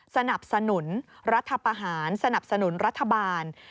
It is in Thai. สนับสนุนรัฐประหารสนับสนุนรัฐบาล